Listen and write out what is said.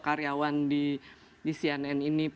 karyawan di cnn ini